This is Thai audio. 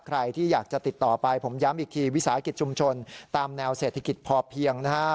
ใครที่อยากจะติดต่อไปผมย้ำอีกทีวิสาหกิจชุมชนตามแนวเศรษฐกิจพอเพียงนะฮะ